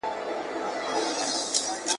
ته به لدغه سختيو او ستونزو څخه خلاص سې.